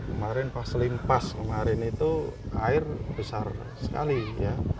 kemarin pas limpas kemarin itu air besar sekali ya